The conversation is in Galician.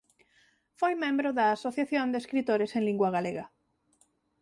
Foi membro da Asociación de Escritores en Lingua Galega.